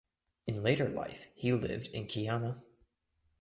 In later life he lived in Kiama.